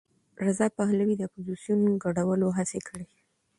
رضا پهلوي د اپوزېسیون ګډولو هڅې کړي.